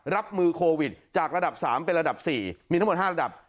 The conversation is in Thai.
รับมือโควิดจากระดับ๓เป็นระดับ๔มีทั้งหมด๕ระดับ